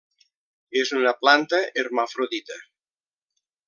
És una planta hermafrodita.